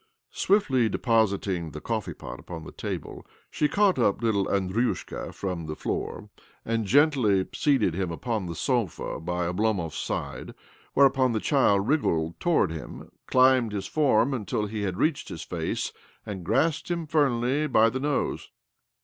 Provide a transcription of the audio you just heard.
Swiftly depositing the coffee pot upon the table, she caught up little Andriusha from 286 OBLOMOV the floor, and gently seated him upon tl sofa by Oblomov's side ; whereupon tl child wriggled towards him, climbed h form until he had reached his face, ar grasped him firmly by the nose.